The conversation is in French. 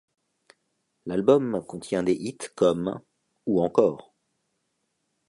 L'album contient des hits comme ',' ou encore '.